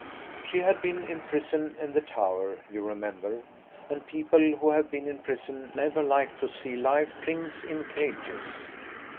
She had been in prison in the Tower, you remember, and people who have been in prison never like to see live things in cages.